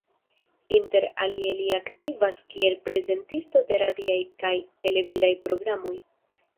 Inter alie li aktivas kiel prezentisto de radiaj kaj televidaj programoj.